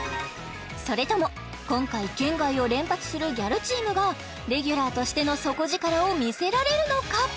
それとも今回圏外を連発するギャルチームがレギュラーとしての底力を見せられるのか？